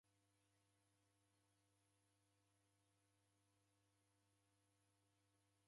Walegha kunineka vilambo vapo